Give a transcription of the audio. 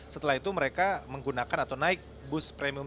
setelah itu mereka menggunakan atau naik bus premium